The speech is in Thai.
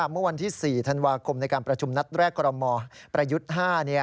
เมื่อวันที่๔ธันวาคมในการประชุมนัดแรกกรมประยุทธ์๕